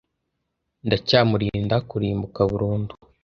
ndacyamurinda kurimbuka burundu